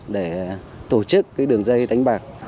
để tổ chức cái đường dây đánh bạc